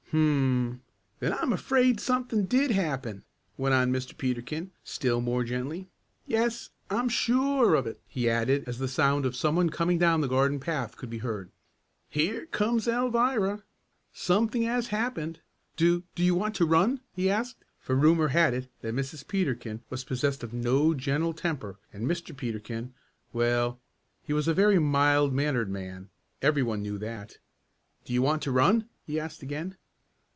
"Hum! Then I'm afraid something did happen," went on Mr. Peterkin still more gently. "Yes, I'm sure of it," he added as the sound of some one coming down the garden path could be heard. "Here comes Alvirah. Something has happened. Do do you want to run?" he asked, for rumor had it that Mrs. Peterkin was possessed of no gentle temper and Mr. Peterkin well, he was a very mild mannered man, every one knew that. "Do you want to run?" he asked again.